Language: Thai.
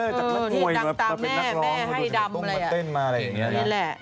นี่ดังตาแม่แม่ให้ดำอะไรอ่ะนี่แหละ